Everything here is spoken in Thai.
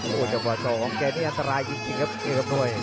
โอ้โหจังหวะ๒ของแกนี่อันตรายจริงครับน้วย